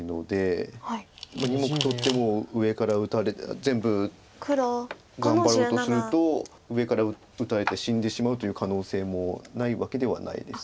全部頑張ろうとすると上から打たれて死んでしまうという可能性もないわけではないです。